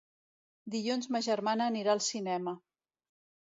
Dilluns ma germana anirà al cinema.